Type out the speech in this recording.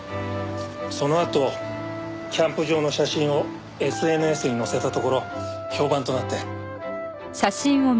そのあとキャンプ場の写真をＳＮＳに載せたところ評判となって。